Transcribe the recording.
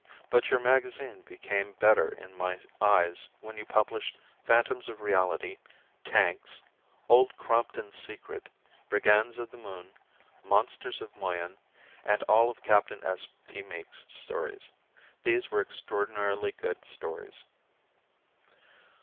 But your magazine became better in my eyes when you published "Phantoms of Reality," "Tanks," "Old Crompton's Secret," "Brigands of the Moon," "Monsters of Moyen," and all of Captain S. P. Meek's stories. These were extraordinarily good stories.